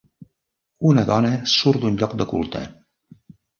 Una dona surt d'un lloc de culte.